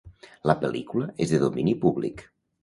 La pel·lícula és de domini públic.